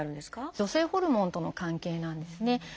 女性ホルモンとの関係なんですね。